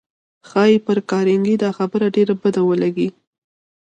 ښایي پر کارنګي دا خبره ډېره بده ولګېږي